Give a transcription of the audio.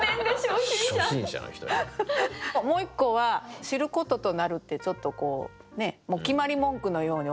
もう一個は「知る事となる」ってちょっとこう決まり文句のように終わってますよね。